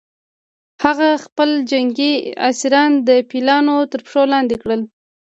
هغه ټول جنګي اسیران د پیلانو تر پښو لاندې کړل.